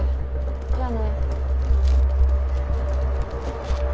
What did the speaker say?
じゃあね。